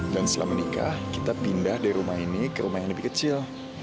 dan setelah menikah kita pindah dari rumah ini ke rumah yang lebih kecil